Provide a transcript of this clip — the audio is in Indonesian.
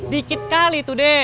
dikit kali tuh dek